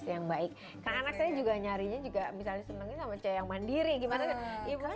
yang baik karena anak saya juga nyarinya juga misalnya senengin sama cewek yang mandiri gimana ibu